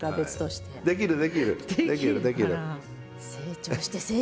できるできる。